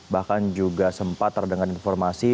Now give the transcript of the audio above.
bahkan juga sempat terdengar informasi